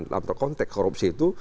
dalam konteks korupsi itu